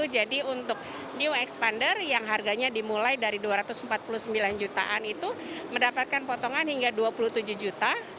jadi untuk new expander yang harganya dimulai dari rp dua ratus empat puluh sembilan jutaan itu mendapatkan potongan hingga rp dua puluh tujuh jutaan